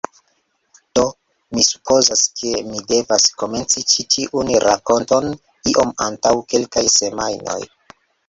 Do, mi supozas ke mi devas komenci ĉi tiun rakonton iom antaŭ kelkaj semajnoj